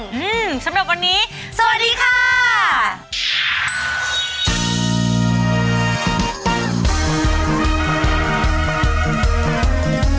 อืมสำหรับวันนี้สวัสดีค่ะ